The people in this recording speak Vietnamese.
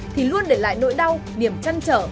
thì luôn để lại nỗi đau niềm chăn trở